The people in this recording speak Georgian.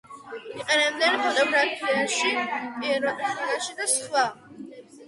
იყენებენ ფოტოგრაფიაში, პიროტექნიკაში და სხვა.